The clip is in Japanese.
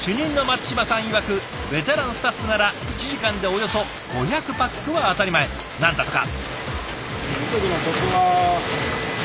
ベテランスタッフなら１時間でおよそ５００パックは当たり前なんだとか。